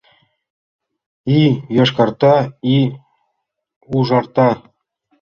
И йошкарта, и ужарта